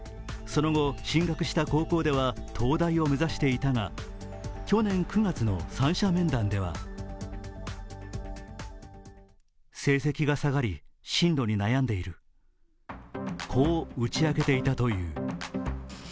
その後、進学した高校では東大を目指していたが、去年９月の三者面談ではこう打ち明けていたという。